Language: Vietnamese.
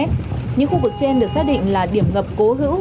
những khu vực trên được xác định là điểm ngập cố hữu